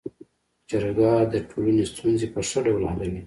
جرګه د ټولني ستونزي په ښه ډول حلوي.